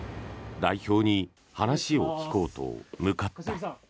代表に話を聞こうと向かった。